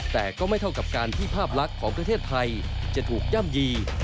แต่ก็ไม่เท่ากับการที่ภาพลักษณ์ของประเทศไทยจะถูกย่ำยี